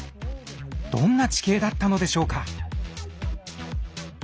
どんな地形だったのでしょうか？